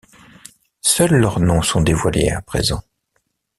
Seuls leurs noms sont dévoilés à présent.